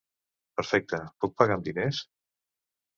Perfecte, puc pagar amb diners?